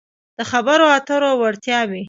-د خبرو اترو وړتیاوې